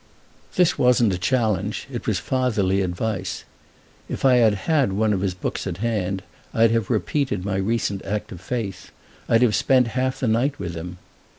This wasn't a challenge—it was fatherly advice. If I had had one of his books at hand I'd have repeated my recent act of faith—I'd have spent half the night with him.